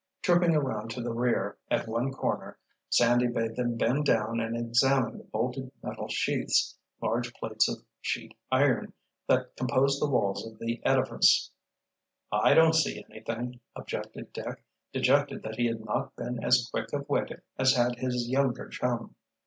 Trooping around to the rear, at one corner, Sandy bade them bend down and examine the bolted metal sheaths, large plates of sheet iron, that composed the walls of the edifice. "I don't see anything," objected Dick, dejected that he had not been as quick of wit as had his younger chum.